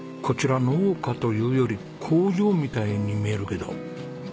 こちら農家というより工場みたいに見えるけど。